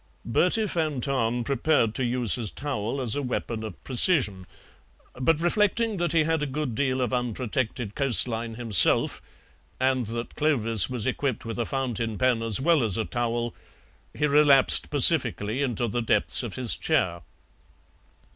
Bertie van Tahn prepared to use his towel as a weapon of precision, but reflecting that he had a good deal of unprotected coast line himself, and that Clovis was equipped with a fountain pen as well as a towel, he relapsed pacifically into the depths of his chair.